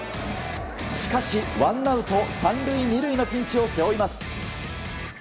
しかし、ワンアウト３塁２塁のピンチを背負います。